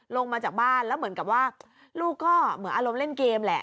ลงมาจากบ้านแล้วเหมือนกับว่าลูกก็เหมือนอารมณ์เล่นเกมแหละ